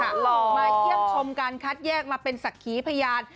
มาเกี่ยวชมการคัดแยกมาเป็นสักขีพญาน